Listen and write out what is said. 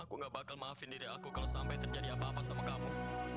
aku gak bakal maafin diri aku kalau sampai terjadi apa apa sama kamu